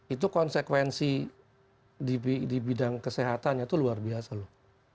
itu konsekuensi di bidang kesehatannya itu luar biasa loh